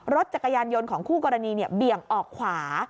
รถจักรยานยนต์ของคู่กรณีเบี่ยงออกขวา